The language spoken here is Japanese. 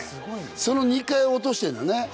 その２回落としてんだね。